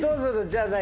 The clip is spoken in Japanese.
じゃあ何？